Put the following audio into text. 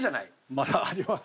まだあります。